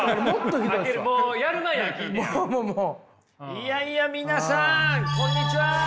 いやいや皆さんこんにちは。